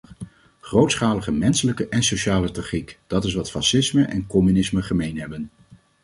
Grootschalige menselijke en sociale tragiek, dat is wat fascisme en communisme gemeen hebben.